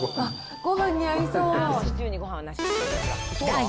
ごはんに合いそう。